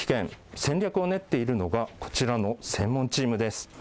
戦略を練っているのがこちらの専門チームです。